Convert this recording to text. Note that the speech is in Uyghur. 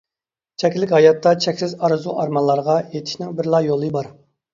چەكلىك ھاياتتا چەكسىز ئارزۇ-ئارمانلارغا يېتىشنىڭ بىرلا يولى بار.